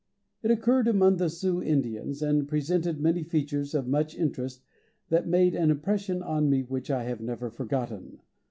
It occurred among the Sioux Indians, and presented many features of much interest that made an impression on me which I have never forgotten.